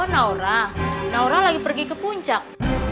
naura naura lagi pergi ke puncak